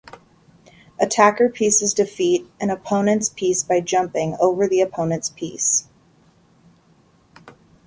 Attacker pieces defeat an opponents piece by jumping over the opponents piece.